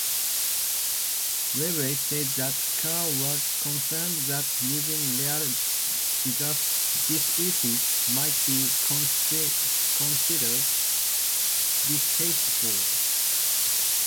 Webley said that Carr was concerned that using real diseases might be considered distasteful.